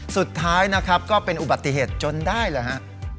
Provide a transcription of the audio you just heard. สุดท้ายนะครับก็เป็นอุบัติเหตุจนได้แหละฮะ